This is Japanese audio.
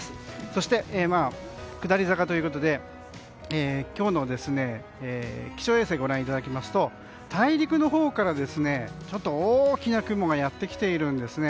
そして下り坂ということで今日の気象衛星ご覧いただくと大陸のほうから大きな雲がやってきているんです。